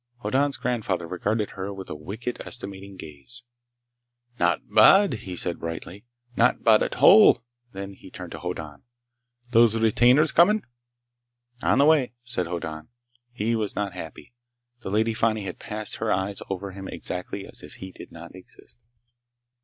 Hoddan's grandfather regarded her with a wicked, estimating gaze. "Not bad!" he said brightly. "Not bad at all!" Then he turned to Hoddan. "Those retainers coming?" "On the way," said Hoddan. He was not happy. The Lady Fani had passed her eyes over him exactly as if he did not exist.